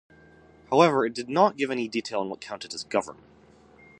However, it did not give any detail on what counted as government.